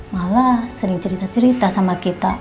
malah sering cerita cerita sama kita